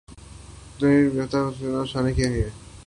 ترغیبی حمایتیافتہ حصص پر نشانہ کیے گئے